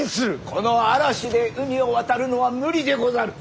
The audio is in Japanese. この嵐で海を渡るのは無理でござる。